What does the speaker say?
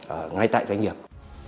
ở ngay tại doanh nghiệp